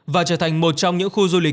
và trở thành một trong những khu du lịch